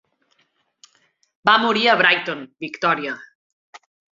Va morir a Brighton, Victòria.